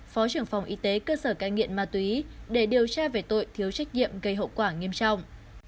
phó trưởng phòng y tế cơ sở cai nghiện ma túy để điều tra về tội thiếu trách nhiệm gây hậu quả nghiêm trọng